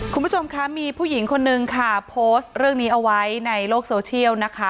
คุณผู้ชมคะมีผู้หญิงคนนึงค่ะโพสต์เรื่องนี้เอาไว้ในโลกโซเชียลนะคะ